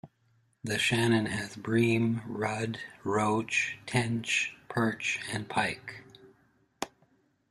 The Shannon has bream, rudd, roach, tench, perch and pike.